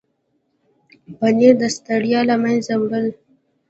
پنېر د ستړیا له منځه وړي.